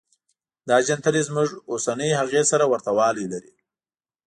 دا جنتري زموږ اوسنۍ هغې سره ورته والی لري.